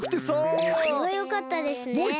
それはよかったですね。